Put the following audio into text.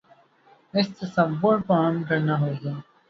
اس تصور کو عام کرنا ہو گا۔